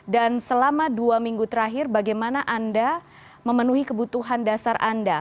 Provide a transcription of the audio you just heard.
dan selama dua minggu terakhir bagaimana anda memenuhi kebutuhan dasar anda